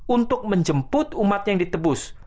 untuk menjemput umat yang ditebus